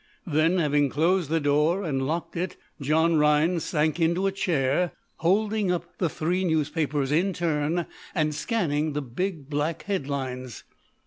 Then, having closed the door and locked it, John Rhinds sank into a chair, holding up three newspapers, in turn, and scanning the big, black headlines.